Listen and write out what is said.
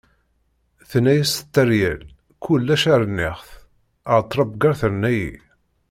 Tenna-as tteryel: "Kullec rniɣ-t, ar ttṛebga terna-yi."